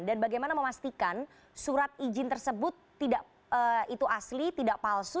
bagaimana memastikan surat izin tersebut itu asli tidak palsu